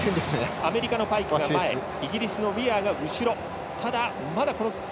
アメリカのパイクが前イギリスのウィアーが後ろ。